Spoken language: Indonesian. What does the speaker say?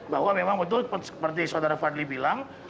bahwa memang betul seperti saudara fadli bilang